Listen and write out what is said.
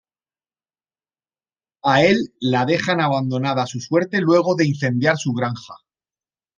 A elle la dejan abandonada a su suerte luego de incendiar su granja.